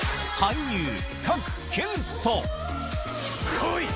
来い！